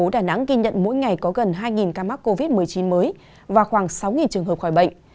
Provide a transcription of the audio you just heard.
đà nẵng ghi nhận mỗi ngày có gần hai ca mắc covid một mươi chín mới và khoảng sáu trường hợp khỏi bệnh